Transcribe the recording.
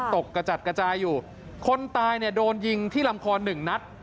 กระจัดกระจายอยู่คนตายเนี่ยโดนยิงที่ลำคอหนึ่งนัด